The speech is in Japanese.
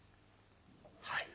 「はい。